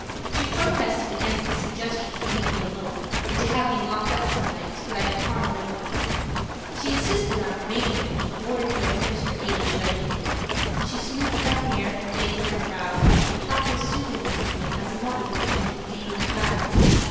She protested against the suggestion to leave me alone and to have me locked up for the night so that I could harm no one. She insisted on remaining with me in order to administer aid should I need it. She smoothed my hair and bathed my brow and talked as soothingly to me as a mother would do to an ailing child.